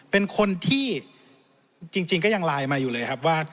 เป็นคนที่จริงก็ยังไลน์มาอยู่เลยครับว่า